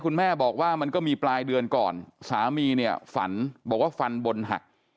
คุณแม่บอกว่ามันก็มีปลายเดือนก่อนสามีเนี่ยฝันบอกว่าฟันบนหัก